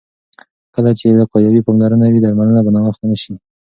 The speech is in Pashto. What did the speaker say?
کله چې وقایوي پاملرنه وي، درملنه به ناوخته نه شي.